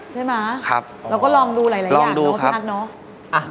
ใช่ไหมเราก็ลองดูหลายอย่างเนอะพี่อัสเนอะอ๋อครับ